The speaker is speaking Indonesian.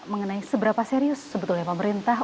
mengenai seberapa serius sebetulnya pemerintah